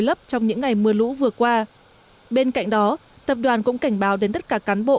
lấp trong những ngày mưa lũ vừa qua bên cạnh đó tập đoàn cũng cảnh báo đến tất cả cán bộ